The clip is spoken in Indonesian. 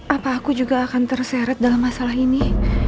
apa aku juga akan terseret dalam masalah ini